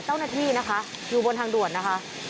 เจ้าหน้าที่นะคะอยู่บนทางด่วนนะคะ